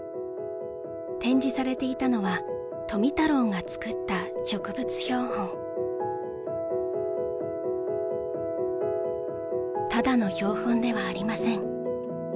展示されていたのは富太郎が作った植物標本ただの標本ではありません。